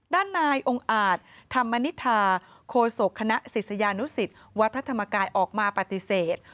ด้านนายองค์อาจธรรมนิษฐาโคศกคณะศิษยานุสิตวัดพระธรรมกายออกมาปฏิเสธ